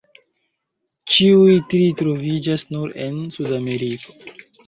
Ĉiuj tri troviĝas nur en Sudameriko.